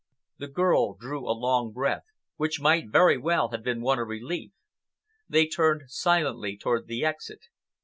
The girl drew a long breath, which might very well have been one of relief. They turned silently toward the exit.